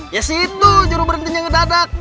ya situ juru berarti ngedadak